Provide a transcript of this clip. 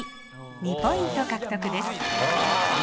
２ポイント獲得です。